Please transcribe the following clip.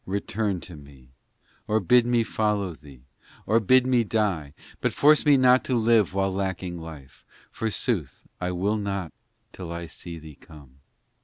VIII Return to me, or bid me follow Thee, Or bid me die ; But force me not to live while lacking life ; For sooth, I live not till I see Thee come.